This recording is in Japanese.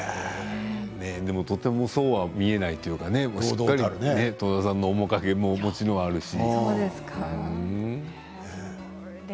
でも、とてもそうは見えないというかしっかりと戸田さんの面影もお持ちであるし。